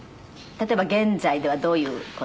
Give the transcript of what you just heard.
例えば現在ではどういう事を。